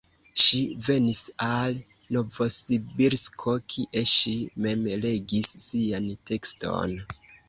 Ŝi venis al Novosibirsko, kie ŝi mem legis sian tekston.